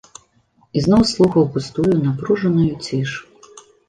Ізноў слухаў густую напружаную ціш.